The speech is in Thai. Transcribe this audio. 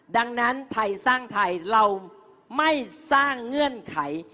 ดังนั้นไทยสร้างไทยเราไม่สร้างเงื่อนไข